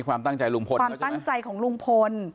ความตั้งใจของลุงพล